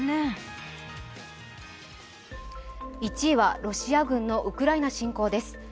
１位はロシア軍のウクライナ侵攻です。